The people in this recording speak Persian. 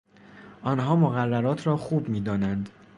آنها مقررات را خوب میدانند.